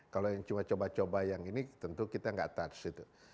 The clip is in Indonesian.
kalau yang cuma coba coba yang ini tentu kita nggak touch itu